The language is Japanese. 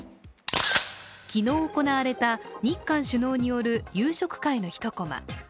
昨日行われた日韓首脳による夕食会の１コマ。